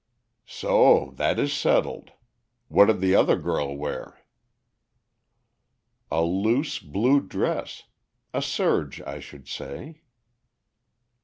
"So that is settled. What did the other girl wear?" "A loose blue dress. A serge, I should say."